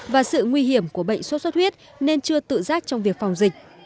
và sự nguy hiểm của bệnh suốt suốt huyết nên chưa tự giác trong việc phòng dịch